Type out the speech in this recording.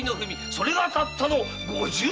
それがたったの五十文！